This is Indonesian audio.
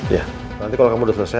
iya nanti kalau kamu udah selesai